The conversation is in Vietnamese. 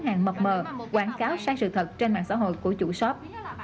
hàng mập mờ quảng cáo sai sự thật trên mạng xã hội của chủ shop